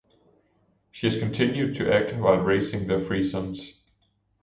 She has continued to act while raising their three sons.